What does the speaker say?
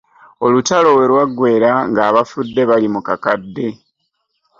Olutalo we lwaggweera ng'abafudde bali mu kakadde.